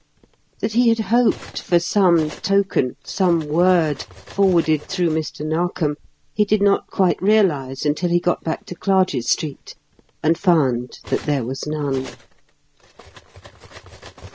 That he had hoped for some token, some word forwarded through Mr. Narkom he did not quite realise until he got back to Clarges Street and found that there was none.